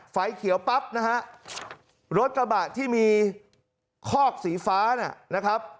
ไฟเขียวปั๊บนะฮะรถกระบะที่มีคอกสีฟ้านะครับ